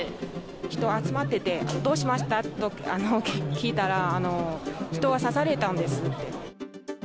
人集まってて、どうしました？と聞いたら、人が刺されたんですって。